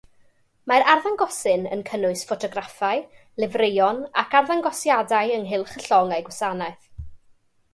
Mae'r arddangosyn yn cynnwys ffotograffau, lifreion ac arddangosiadau ynghylch y llong a'i gwasanaeth.